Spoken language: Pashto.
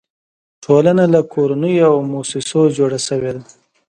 ټولنه له کورنیو او مؤسسو جوړه شوې ده.